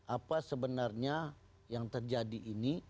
apa sebenarnya yang terjadi ini